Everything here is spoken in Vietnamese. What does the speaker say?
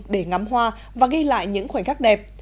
để ngắm hoa và ghi lại những khoảnh khắc đẹp